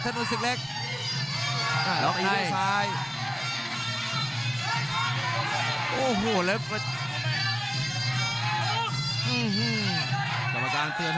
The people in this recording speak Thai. สนุนสึกเล็กปลส่าย